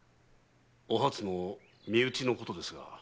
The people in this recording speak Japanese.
おはつの身内のことですが。